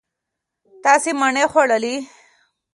تاسو مڼې وخوړلې.